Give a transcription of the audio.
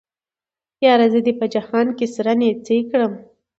ياره زه دې په جهان کې سره نيڅۍ کړم